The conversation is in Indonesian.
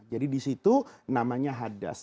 jadi disitu namanya hadas